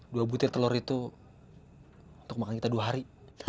dua butir telur itu untuk makan kita dua hari